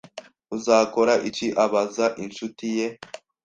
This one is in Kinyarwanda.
"Uzakora iki?" abaza inshuti ye.